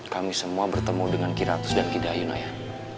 kami semua bertemu dengan kiratus dan kidayun ayah